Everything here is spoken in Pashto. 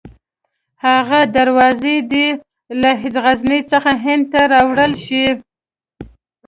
هغه دروازې دې له غزني څخه هند ته راوړل شي.